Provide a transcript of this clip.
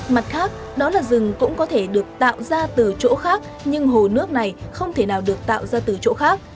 mặt khác đó là rừng cũng có thể được tạo ra từ chỗ khác nhưng hồ nước này không thể nào được tạo ra từ chỗ khác